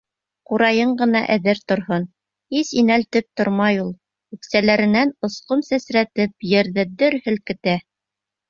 Ҡурайың ғына әҙер торһон, һис инәлтеп тормай ул, үксәләренән осҡон сәсрәтеп, ерҙе дер һелкетә!